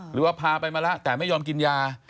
หรือว่าพาไปมาแล้วแต่ไม่ยอมกินยา